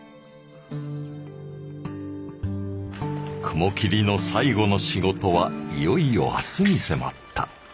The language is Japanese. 雲霧の最後の仕事はいよいよ明日に迫った。